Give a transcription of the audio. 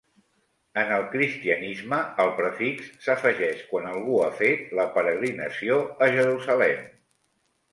En el cristianisme, el prefix s'afegeix quan algú ha fet la peregrinació a Jerusalem.